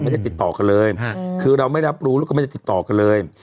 ติดต่อกันเลยคือเราไม่รับรู้แล้วก็ไม่ได้ติดต่อกันเลย